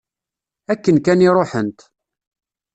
Akken kan i ruḥent.